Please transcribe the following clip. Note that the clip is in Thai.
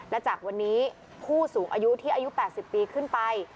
และจากวันนี้ผู้สูงอายุที่อายุ๘๐ปีขึ้นไป